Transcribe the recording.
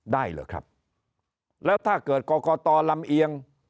ได้เหรอครับแล้วถ้าเกิดกรกตลำเอียง